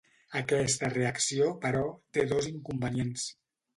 Aquesta reacció, però, té dos inconvenients.